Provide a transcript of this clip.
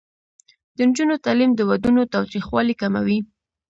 د نجونو تعلیم د ودونو تاوتریخوالي کموي.